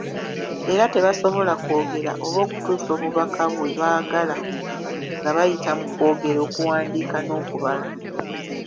Era tebasobola kwogera oba okutuusa obubaka bwe baagala nga bayita mu kwogera, okuwandiika n’okubala.